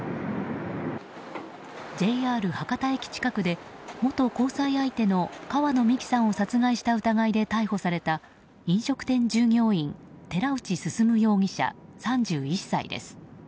ＪＲ博多駅近くで元交際相手の川野美樹さんを殺害した疑いで逮捕された飲食店従業員寺内進容疑者、３１歳です。